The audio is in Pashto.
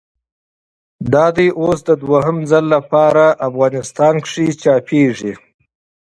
دا دی اوس د دوهم ځل له پاره افغانستان کښي چاپېږي.